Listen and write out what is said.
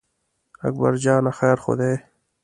اکبر جانه خیر خو دی.